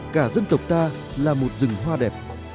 cả dân tộc ta là một rừng hoa đẹp